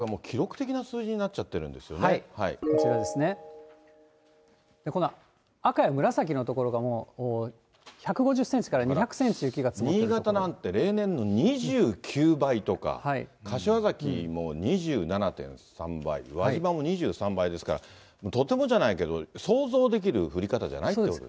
どれぐらい積もっているか、これがもう記録的な数字になこちらですね、赤や紫の所が、もう１５０センチから２００センチ、新潟なんて、例年の２９倍とか、柏崎も２７．３倍、輪島も２３倍ですから、とてもじゃないけど、想像できる降り方じゃないってことですね。